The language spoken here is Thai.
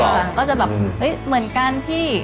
หลังก็จะแบบเฮ้ยเหมือนกันพี่